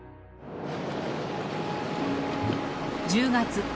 １０月